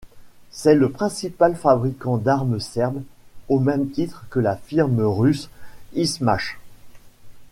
C'est le principal fabricant d'armes serbe, au même titre que la firme russe Izhmash.